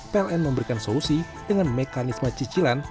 pln memberikan solusi dengan mekanisme cicilan